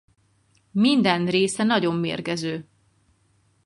Minden része nagyon mérgező.